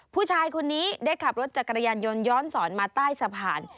ผู้ชายคนนี้ได้ขับรถจักรยานยนต์ย้อนสอนมาใต้สะพาน